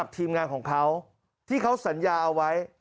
ทีมงานของเขาที่เขาสัญญาเอาไว้